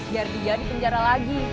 biar dia di penjara lagi